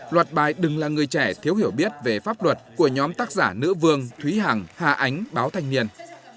luật bài đừng là người trẻ thiếu hiểu biết về pháp luật của nhóm tác giả nữ vương thúy hằng hà ánh báo thanh niên